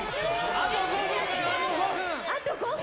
あと５分だよ、あと５分。